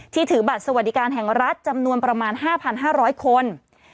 ถือบัตรสวัสดิการแห่งรัฐจำนวนประมาณ๕๕๐๐คน